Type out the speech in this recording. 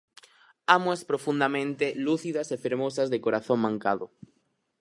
Ámoas profundamente lúcidas e fermosas de corazón mancado.